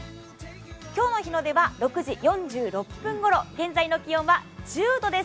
今日の日の出は６時４６分頃、現在の気温は１０度です。